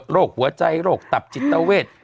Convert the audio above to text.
โรคหัวใจโรคตับจิตเต้าเวท